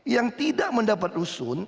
yang tidak mendapat usun